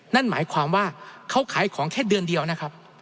นั่นหมายความว่าเขาขายของแค่เดือนเดียวนะครับ